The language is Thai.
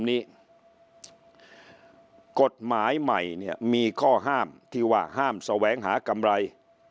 นี้กฎหมายใหม่เนี่ยมีข้อห้ามที่ว่าห้ามแสวงหากำไร